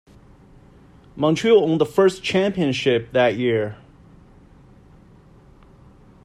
Montreal won the first championship that year.